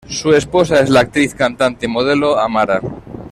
Su esposa es la actriz, cantante y modelo Amara.